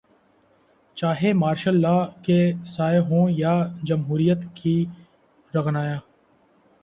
چاہے martial law کے سائے ہوں یا جمہوریت کی رعنائیاں۔